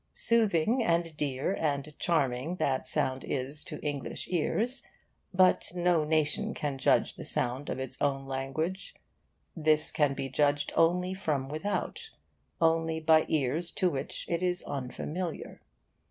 Soothing and dear and charming that sound is to English ears. But no nation can judge the sound of its own language. This can be judged only from without, only by ears to which it is unfamiliar.